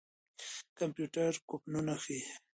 کمپيوټر کوپنونه ښيي.